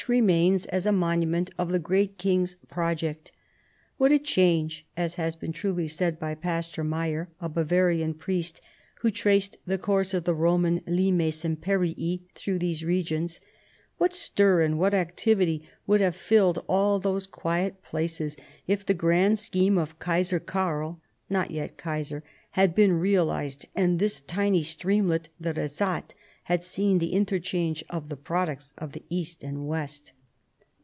161 remains as a monument of the great king's project " What a change " (as has been truly said by Pastor Meier, a Bavarian priest who traced the course ot the Eoman Limes Iinperii through these regions), " what stir, and what activity would have filled all those quiet plains if the grand scheme of Kaiser Karl (not yet Kaiser) had been realized, and this tiny streamlet, the Kezat, had seen the interchange of the products of the east and west."